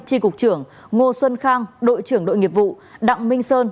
tri cục trưởng ngô xuân khang đội trưởng đội nghiệp vụ đặng minh sơn